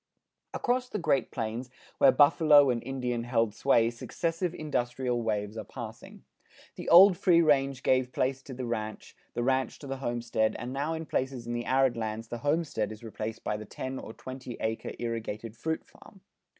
Across the Great Plains where buffalo and Indian held sway successive industrial waves are passing. The old free range gave place to the ranch, the ranch to the homestead and now in places in the arid lands the homestead is replaced by the ten or twenty acre irrigated fruit farm.